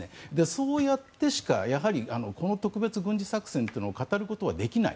そうやってしかこの特別軍事作戦というのを語ることはできない。